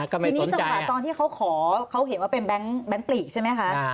ก็ไม่ต้องใจอ่ะตอนที่เขาเขาเห็นว่าเป็นแบงค์ปลีกใช่ไหมคะ